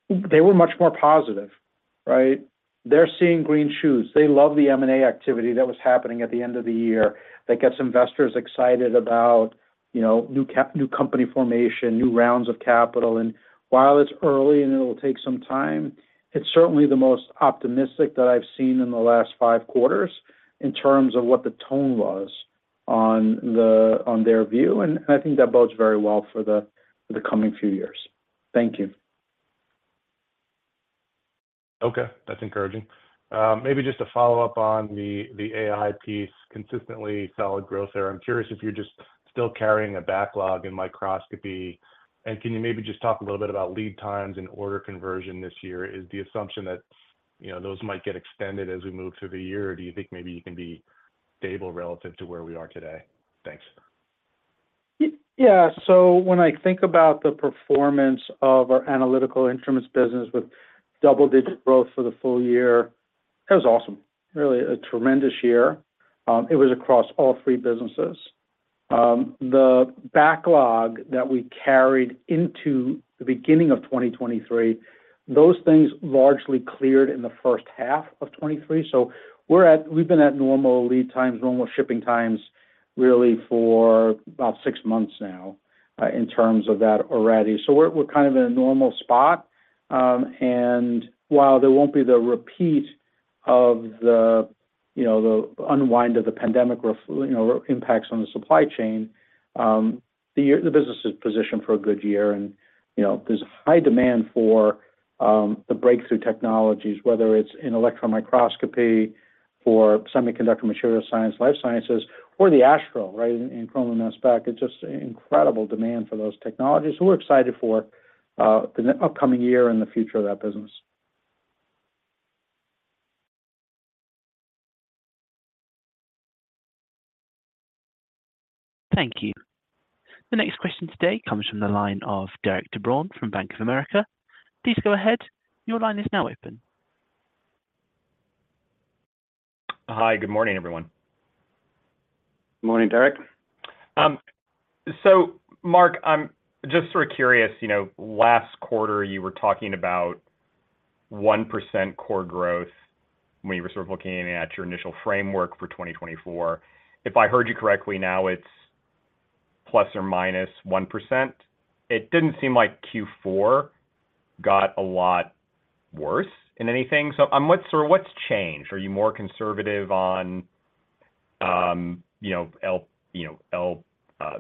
They were much more positive, right? They're seeing green shoots. They love the M&A activity that was happening at the end of the year. That gets investors excited about, you know, new company formation, new rounds of capital, and while it's early and it'll take some time, it's certainly the most optimistic that I've seen in the last five quarters in terms of what the tone was on the, on their view, and I think that bodes very well for the, for the coming few years. Thank you. Okay, that's encouraging. Maybe just to follow up on the AI piece, consistently solid growth there. I'm curious if you're just still carrying a backlog in microscopy, and can you maybe just talk a little bit about lead times and order conversion this year? Is the assumption that, you know, those might get extended as we move through the year, or do you think maybe you can be stable relative to where we are today? Thanks. Yeah. So when I think about the performance of our analytical instruments business with double-digit growth for the full year, that was awesome. Really a tremendous year. It was across all three businesses. The backlog that we carried into the beginning of 2023, those things largely cleared in the first half of 2023. So we've been at normal lead times, normal shipping times, really for about 6 months now, in terms of that already. So we're, we're kind of in a normal spot, and while there won't be the repeat of the, you know, the unwind of the pandemic. You know, impacts on the supply chain, the year, the business is positioned for a good year, and, you know, there's a high demand for the breakthrough technologies, whether it's in Electron Microscopy or semiconductor, material science, life sciences, or the Astral, right, in chromatography mass spec. It's just incredible demand for those technologies. So we're excited for the upcoming year and the future of that business. Thank you. The next question today comes from the line of Derik de Bruin from Bank of America. Please go ahead. Your line is now open. Hi, good morning, everyone. Morning, Derek. So, Marc, I'm just sort of curious, you know, last quarter you were talking about 1% core growth when you were sort of looking at your initial framework for 2024. If I heard you correctly, now it's ±1%. It didn't seem like Q4 got a lot worse in anything. So, what's changed? Are you more conservative on,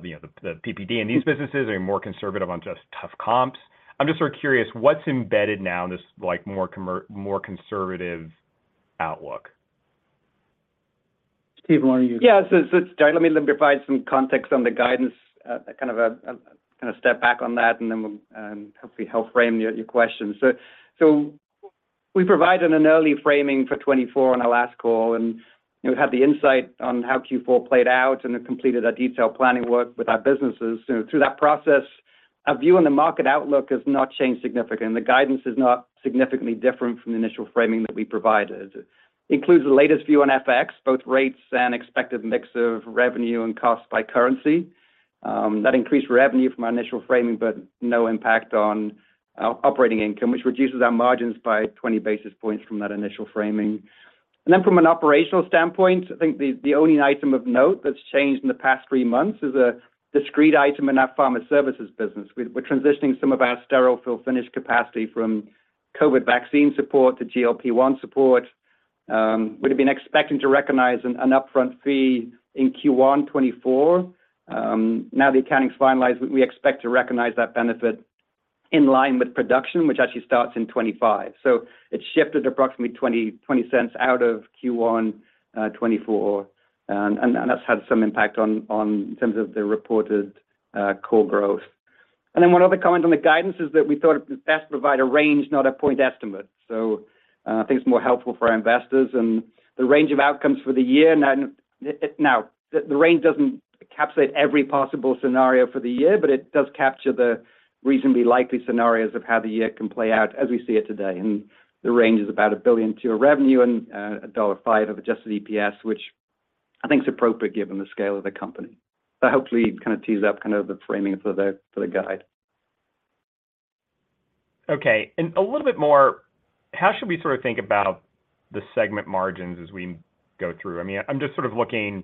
you know, the PPD in these businesses? Are you more conservative on just tough comps? I'm just sort of curious, what's embedded now in this, like, more conservative outlook? Steve, why don't you? Yeah, so let me provide some context on the guidance, kind of step back on that, and then we'll hopefully help frame your question. So we provided an early framing for 2024 on our last call, and, you know, had the insight on how Q4 played out, and then completed our detailed planning work with our businesses. So through that process, our view on the market outlook has not changed significantly, and the guidance is not significantly different from the initial framing that we provided. Includes the latest view on FX, both rates and expected mix of revenue and cost by currency. That increased revenue from our initial framing, but no impact on our operating income, which reduces our margins by 20 basis points from that initial framing. From an operational standpoint, I think the only item of note that's changed in the past three months is a discrete item in our pharma services business. We're transitioning some of our sterile fill-finish capacity from COVID vaccine support to GLP-1 support. We'd have been expecting to recognize an upfront fee in Q1 2024. Now the accounting is finalized, we expect to recognize that benefit in line with production, which actually starts in 2025. So it shifted approximately $0.20 out of Q1 2024, and that's had some impact on, in terms of the reported core growth. And then one other comment on the guidance is that we thought it best provide a range, not a point estimate. So, I think it's more helpful for our investors and the range of outcomes for the year. Now, the range doesn't encapsulate every possible scenario for the year, but it does capture the reasonably likely scenarios of how the year can play out as we see it today. And the range is about a billion-dollar range for revenue and $1.05 of Adjusted EPS, which I think is appropriate given the scale of the company. So hopefully, it kind of tees up kind of the framing for the guide. Okay. A little bit more, how should we sort of think about the segment margins as we go through? I mean, I'm just sort of looking,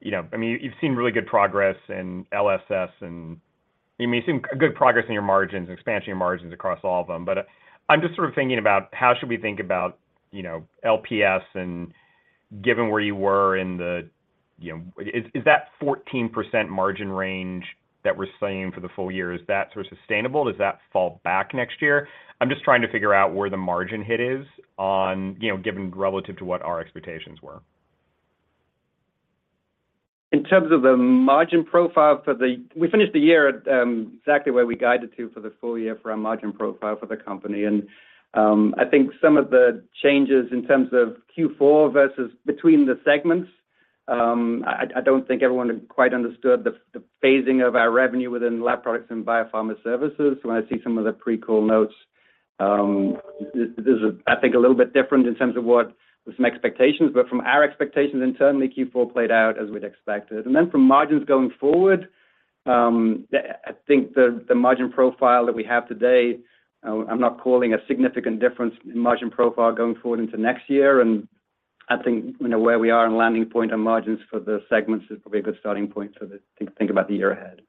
you know, I mean, you've seen really good progress in LSS, and you've seen good progress in your margins and expansion your margins across all of them. But, I'm just sort of thinking about how should we think about, you know, LPS and given where you were in the, you know, is that 14% margin range that we're seeing for the full year, is that sort of sustainable? Does that fall back next year? I'm just trying to figure out where the margin hit is on, you know, given relative to what our expectations were. In terms of the margin profile for the, we finished the year at exactly where we guided to for the full year for our margin profile for the company. And I think some of the changes in terms of Q4 versus between the segments, I don't think everyone quite understood the phasing of our revenue within lab products and biopharma services. So when I see some of the pre-call notes, this is, I think, a little bit different in terms of what some expectations. But from our expectations internally, Q4 played out as we'd expected. And then from margins going forward, I think the margin profile that we have today, I'm not calling a significant difference in margin profile going forward into next year. I think, you know, where we are in landing point on margins for the segments is probably a good starting point for to think about the year ahead.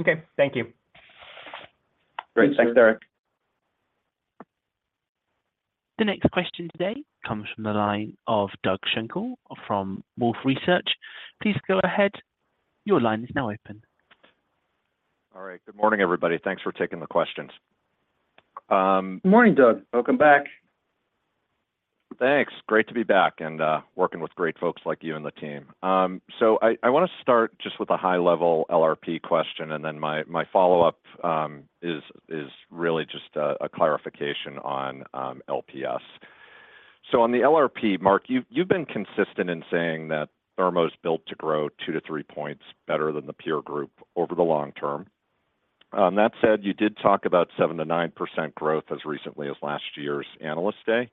Okay, thank you. Great. Thanks, Derik. The next question today comes from the line of Doug Schenkel from Wolfe Research. Please go ahead. Your line is now open. All right. Good morning, everybody. Thanks for taking the questions. Morning, Doug. Welcome back. Thanks. Great to be back and working with great folks like you and the team. So I want to start just with a high-level LRP question, and then my follow-up is really just a clarification on LPS. So on the LRP, Marc, you've been consistent in saying that Thermo is built to grow 2-3 points better than the peer group over the long term. That said, you did talk about 7%-9% growth as recently as last year's Analyst Day.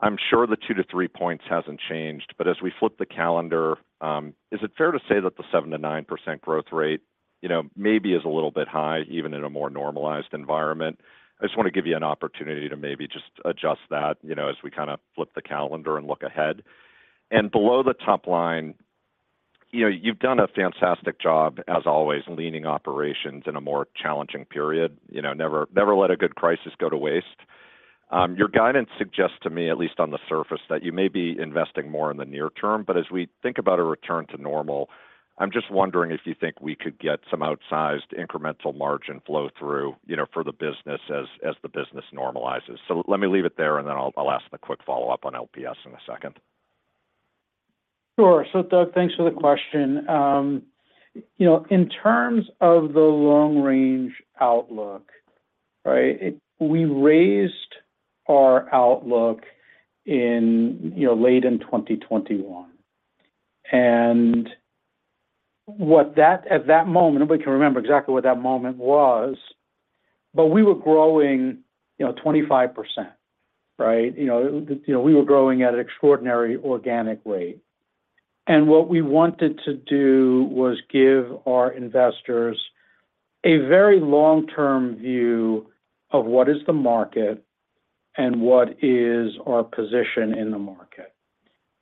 I'm sure the 2-3 points hasn't changed, but as we flip the calendar, is it fair to say that the 7%-9% growth rate, you know, maybe is a little bit high, even in a more normalized environment? I just want to give you an opportunity to maybe just adjust that, you know, as we kinda flip the calendar and look ahead. Below the top line, you know, you've done a fantastic job, as always, leaning operations in a more challenging period. You know, never let a good crisis go to waste. Your guidance suggests to me, at least on the surface, that you may be investing more in the near term. But as we think about a return to normal, I'm just wondering if you think we could get some outsized incremental margin flow through, you know, for the business as the business normalizes. So let me leave it there, and then I'll ask the quick follow-up on LPS in a second. Sure. So Doug, thanks for the question. You know, in terms of the long-range outlook, right, we raised our outlook in, you know, late in 2021. And at that moment, nobody can remember exactly what that moment was, but we were growing, you know, 25%, right? You know, you know, we were growing at an extraordinary organic rate. And what we wanted to do was give our investors a very long-term view of what is the market and what is our position in the market,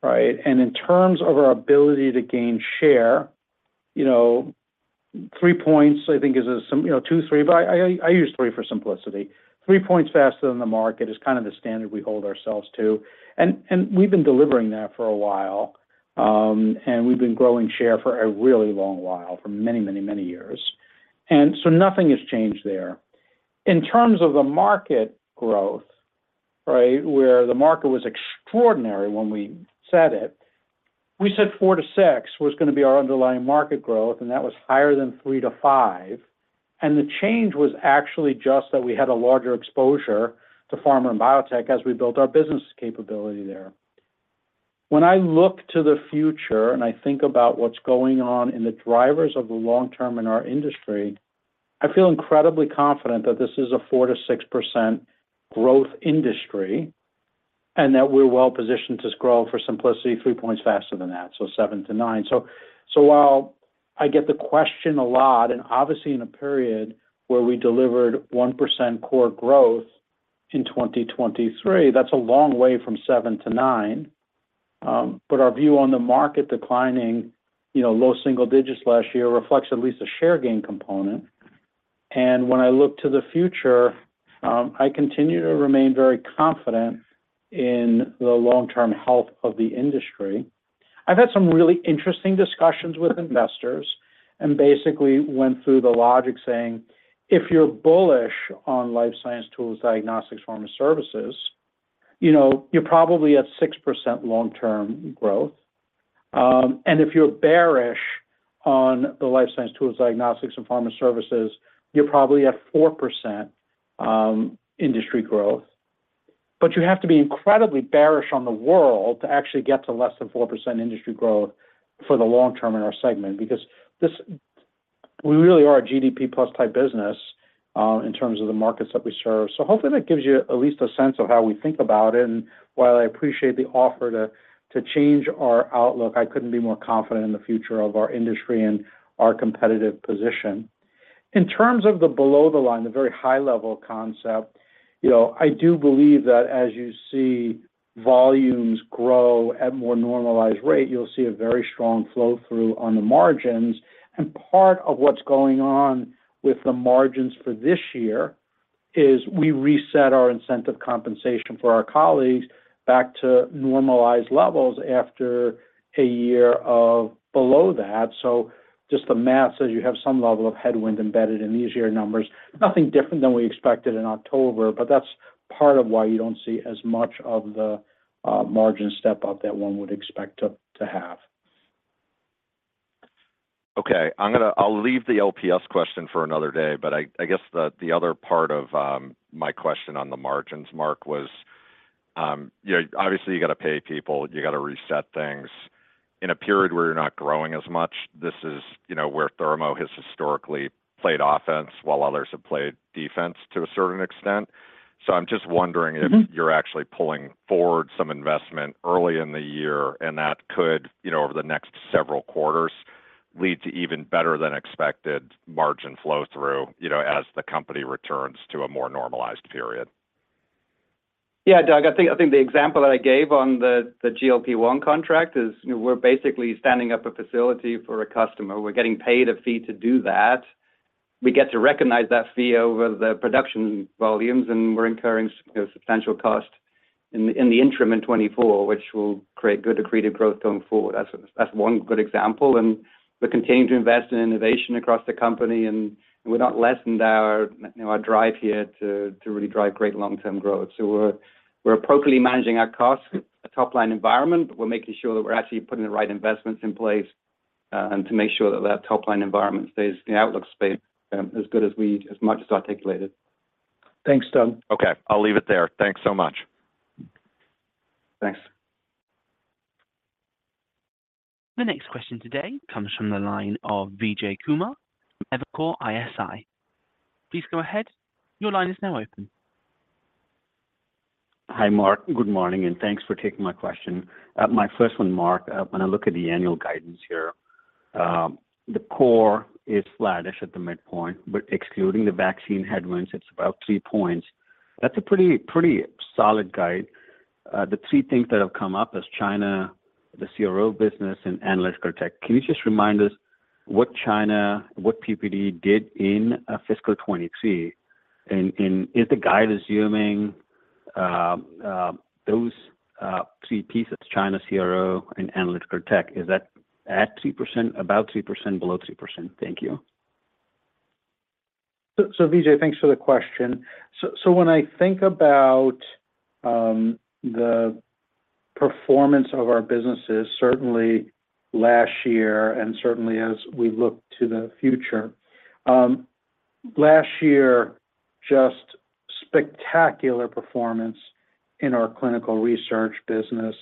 right? And in terms of our ability to gain share, you know, 3 points, I think, is a, you know, 2, 3, but I, I use 3 for simplicity. Three points faster than the market is kind of the standard we hold ourselves to, and we've been delivering that for a while. And we've been growing share for a really long while, for many years, and so nothing has changed there. In terms of the market growth, right, where the market was extraordinary when we said it, we said 4%-6% was going to be our underlying market growth, and that was higher than 3%-5%. And the change was actually just that we had a larger exposure to pharma and biotech as we built our business capability there. When I look to the future, and I think about what's going on in the drivers of the long-term in our industry, I feel incredibly confident that this is a 4%-6% growth industry, and that we're well positioned to grow, for simplicity, three points faster than that, so 7%-9%. So while I get the question a lot, and obviously in a period where we delivered 1% core growth in 2023, that's a long way from 7%-9%. But our view on the market declining, you know, low single digits last year, reflects at least a share gain component. And when I look to the future, I continue to remain very confident in the long-term health of the industry. I've had some really interesting discussions with investors and basically went through the logic saying, "If you're bullish on life science tools, diagnostics, pharma services, you know, you're probably at 6% long-term growth. And if you're bearish on the life science tools, diagnostics and pharma services, you're probably at 4% industry growth." But you have to be incredibly bearish on the world to actually get to less than 4% industry growth for the long term in our segment, because this, we really are a GDP+ type business, in terms of the markets that we serve. So hopefully that gives you at least a sense of how we think about it. And while I appreciate the offer to change our outlook, I couldn't be more confident in the future of our industry and our competitive position. In terms of the below the line, the very high level concept, you know, I do believe that as you see volumes grow at more normalized rate, you'll see a very strong flow-through on the margins. Part of what's going on with the margins for this year is we reset our incentive compensation for our colleagues back to normalized levels after a year of below that. Just the math says you have some level of headwind embedded in these year numbers. Nothing different than we expected in October, but that's part of why you don't see as much of the margin step-up that one would expect to have. Okay, I'm gonna—I'll leave the LPS question for another day, but I guess the other part of my question on the margins, Marc, was, you know, obviously you got to pay people, you got to reset things. In a period where you're not growing as much, this is, you know, where Thermo has historically played offense while others have played defense to a certain extent. So I'm just wondering- Mm-hmm. If you're actually pulling forward some investment early in the year, and that could, you know, over the next several quarters, lead to even better than expected margin flow-through, you know, as the company returns to a more normalized period. Yeah, Doug, I think, I think the example that I gave on the, the GLP-1 contract is, you know, we're basically standing up a facility for a customer. We're getting paid a fee to do that. We get to recognize that fee over the production volumes, and we're incurring you know, substantial cost in the, in the interim in 2024, which will create good accreted growth going forward. That's, that's one good example. And we're continuing to invest in innovation across the company, and we've not lessened our, you know, our drive here to, to really drive great long-term growth. So we're, we're appropriately managing our costs, a top-line environment, but we're making sure that we're actually putting the right investments in place, and to make sure that that top-line environment stays, the outlook stays, as good as we, as much as articulated. Thanks, Doug. Okay, I'll leave it there. Thanks so much. Thanks. The next question today comes from the line of Vijay Kumar, Evercore ISI. Please go ahead. Your line is now open. Hi, Marc. Good morning, and thanks for taking my question. My first one, Marc, when I look at the annual guidance here, the core is flattish at the midpoint, but excluding the vaccine headwinds, it's about 3 points. That's a pretty, pretty solid guide. The three things that have come up is China, the CRO business, and analytical tech. Can you just remind us what China, what PPD did in, fiscal 2022? And, is the guide assuming, those, three pieces, China, CRO, and analytical tech, is that at 3%, about 3%, below 3%? Thank you. So, Vijay, thanks for the question. So, when I think about the performance of our businesses, certainly last year and certainly as we look to the future, last year, just spectacular performance in our clinical research business.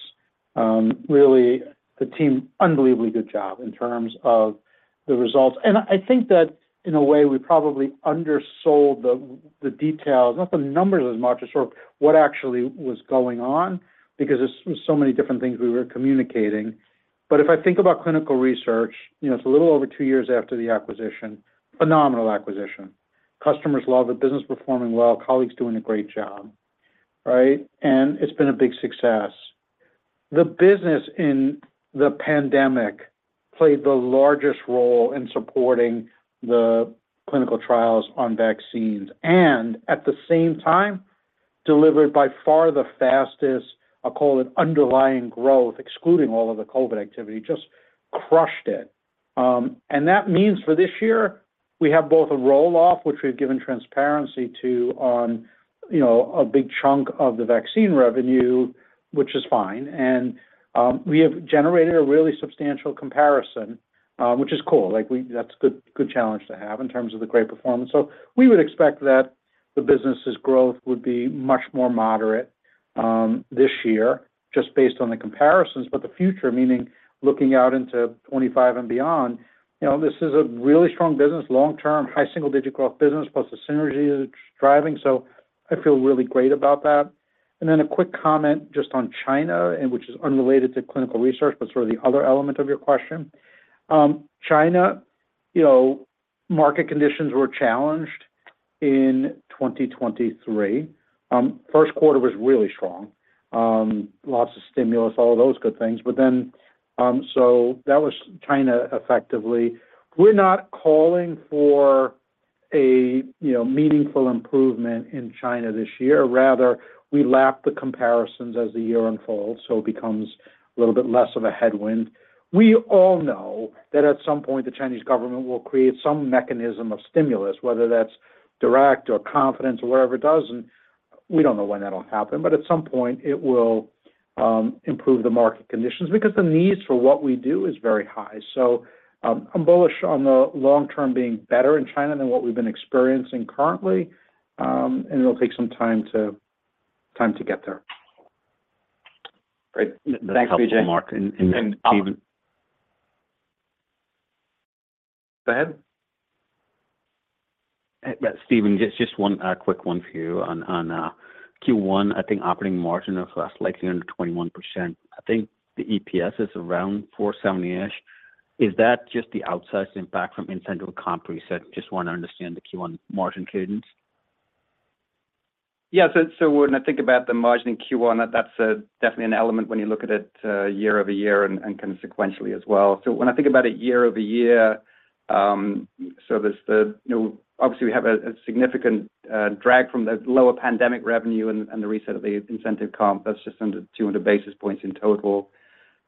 Really, the team, unbelievably good job in terms of the results. And I think that in a way, we probably undersold the details, not the numbers as much as sort of what actually was going on, because there's so many different things we were communicating. But if I think about clinical research, you know, it's a little over two years after the acquisition. Phenomenal acquisition. Customers love it, business performing well, colleagues doing a great job, right? And it's been a big success. The business in the pandemic played the largest role in supporting the clinical trials on vaccines, and at the same time delivered by far the fastest, I'll call it underlying growth, excluding all of the COVID activity, just crushed it. And that means for this year, we have both a roll-off, which we've given transparency to on, you know, a big chunk of the vaccine revenue, which is fine. And we have generated a really substantial comparison, which is cool. Like, that's a good, good challenge to have in terms of the great performance. So we would expect that the business's growth would be much more moderate, this year just based on the comparisons. But the future, meaning looking out into 2025 and beyond, you know, this is a really strong business, long-term, high single-digit growth business, plus the synergy that it's driving. So I feel really great about that. And then a quick comment just on China, and which is unrelated to clinical research, but sort of the other element of your question. China, you know, market conditions were challenged in 2023. First quarter was really strong, lots of stimulus, all of those good things. But then, so that was China effectively. We're not calling for a, you know, meaningful improvement in China this year; rather, we lap the comparisons as the year unfolds, so it becomes a little bit less of a headwind. We all know that at some point, the Chinese government will create some mechanism of stimulus, whether that's direct or confidence or whatever it does, and we don't know when that'll happen, but at some point it will, improve the market conditions because the needs for what we do is very high. So, I'm bullish on the long term being better in China than what we've been experiencing currently, and it'll take some time to get there. Great. Thanks, Vijay. Marc and Stephen- Go ahead. Stephen, just one quick one for you on Q1. I think operating margin of slightly under 21%. I think the EPS is around $4.70-ish. Is that just the outsized impact from incentive comp reset? Just want to understand the Q1 margin cadence. Yeah, so when I think about the margin in Q1, that's definitely an element when you look at it year-over-year and consequentially as well. So when I think about it year-over-year, so there's the, you know, obviously, we have a significant drag from the lower pandemic revenue and the reset of the incentive comp. That's just under 200 basis points in total.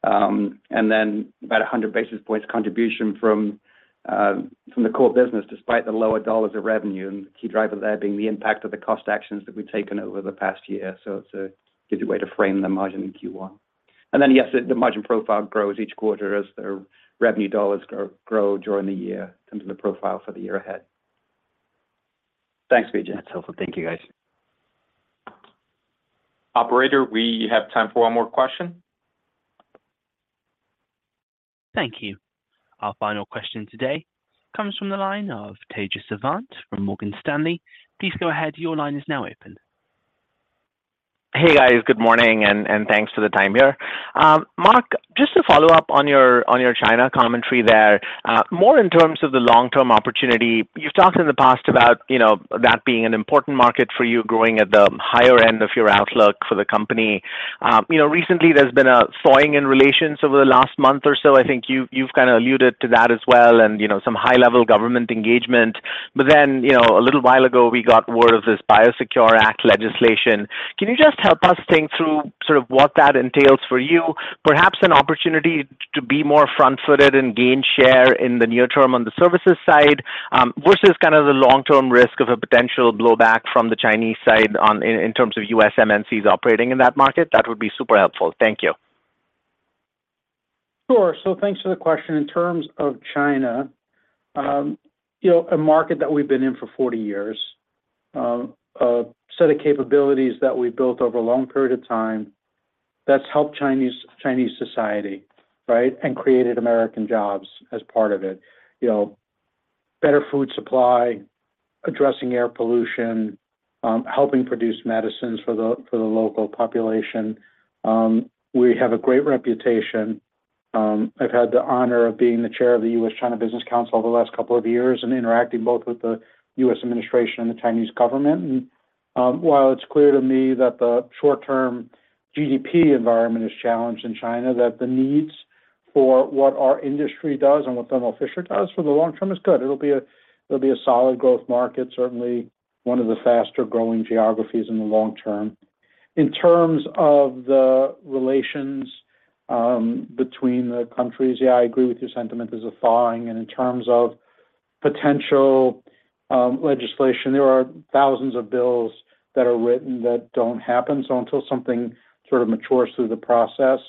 And then about 100 basis points contribution from the core business, despite the lower dollars of revenue, and the key driver there being the impact of the cost actions that we've taken over the past year. So it's a good way to frame the margin in Q1. Then, yes, the margin profile grows each quarter as the revenue dollars grow during the year into the profile for the year ahead. Thanks, Vijay. That's helpful. Thank you, guys. Operator, we have time for one more question. Thank you. Our final question today comes from the line of Tejas Savant from Morgan Stanley. Please go ahead. Your line is now open. Hey, guys. Good morning, and thanks for the time here. Marc, just to follow up on your China commentary there, more in terms of the long-term opportunity. You've talked in the past about, you know, that being an important market for you, growing at the higher end of your outlook for the company. You know, recently there's been a thawing in relations over the last month or so. I think you've kind of alluded to that as well and, you know, some high-level government engagement. But then, you know, a little while ago, we got word of this BIOSECURE Act legislation. Can you just help us think through sort of what that entails for you? Perhaps an opportunity to be more front-footed and gain share in the near term on the services side, versus kind of the long-term risk of a potential blowback from the Chinese side in terms of U.S. MNCs operating in that market. That would be super helpful. Thank you. Sure. So thanks for the question. In terms of China, you know, a market that we've been in for 40 years, a set of capabilities that we've built over a long period of time that's helped Chinese, Chinese society, right? And created American jobs as part of it. You know, better food supply, addressing air pollution, helping produce medicines for the, for the local population. We have a great reputation. I've had the honor of being the chair of the U.S.-China Business Council over the last couple of years and interacting both with the U.S. administration and the Chinese government. And, while it's clear to me that the short-term GDP environment is challenged in China, that the needs for what our industry does and what Thermo Fisher does for the long term is good. It'll be a solid growth market, certainly one of the faster-growing geographies in the long term. In terms of the relations between the countries, yeah, I agree with your sentiment. There's a thawing. In terms of potential legislation, there are thousands of bills that are written that don't happen. So until something sort of matures through the process,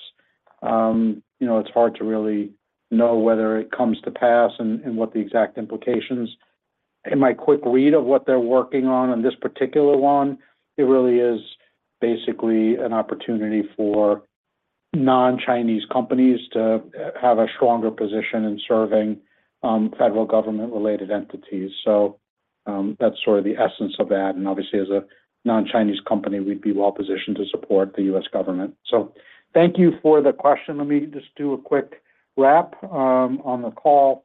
you know, it's hard to really know whether it comes to pass and what the exact implications. In my quick read of what they're working on in this particular one, it really is basically an opportunity for non-Chinese companies to have a stronger position in serving federal government-related entities. So that's sort of the essence of that, and obviously, as a non-Chinese company, we'd be well positioned to support the U.S. government. So, thank you for the question. Let me just do a quick wrap on the call.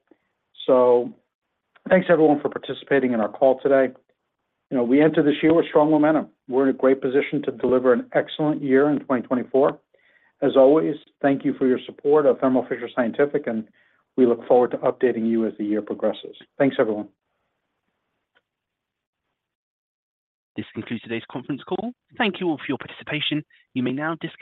Thanks everyone for participating in our call today. You know, we enter this year with strong momentum. We're in a great position to deliver an excellent year in 2024. As always, thank you for your support of Thermo Fisher Scientific, and we look forward to updating you as the year progresses. Thanks, everyone. This concludes today's conference call. Thank you all for your participation. You may now disconnect.